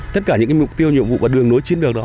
tất cả những mục tiêu nhiệm vụ và đường nối chiến lược đó